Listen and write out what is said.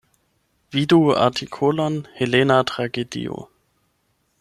Vidu artikolon Helena tragedio.